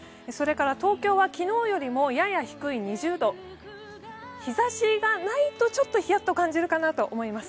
東京は昨日よりも、やや低い２０度日ざしがないとちょっとひやっと感じると思います。